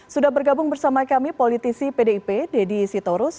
sudah bergabung bersama kami politisi pdip deddy sitorus